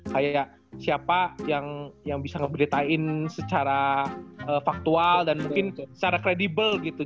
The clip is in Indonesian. kayak siapa yang bisa ngeberitain secara faktual dan mungkin secara kredibel gitu